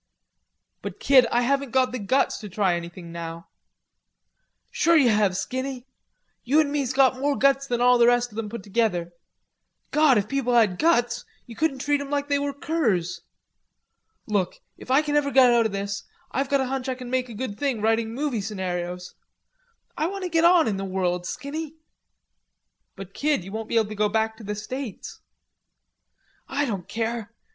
"But, Kid, I haven't got the guts to try anything now." "Sure you have, Skinny. You an' me's got more guts than all the rest of 'em put together. God, if people had guts, you couldn't treat 'em like they were curs. Look, if I can ever get out o' this, I've got a hunch I can make a good thing writing movie scenarios. I want to get on in the world, Skinny." "But, Kid, you won't be able to go back to the States." "I don't care.